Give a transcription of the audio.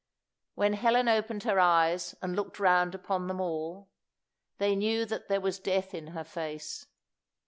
When Helen opened her eyes and looked round upon them all, they knew that there was death in her face.